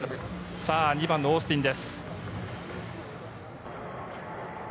２番のオースティンです。